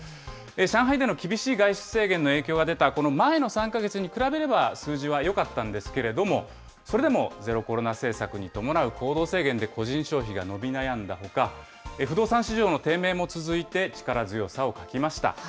上海での厳しい外出制限の影響が出た、この前の３か月に比べれば数字はよかったんですけれども、それでもゼロコロナ政策に伴う行動制限で個人消費が伸び悩んだほか、不動産市場の低迷も続いて、力強さを欠きました。